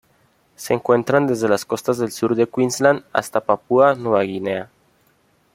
Se encuentran desde las costas del sur de Queensland hasta Papúa Nueva Guinea.